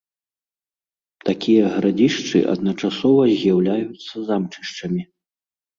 Такія гарадзішчы адначасова з'яўляюцца замчышчамі.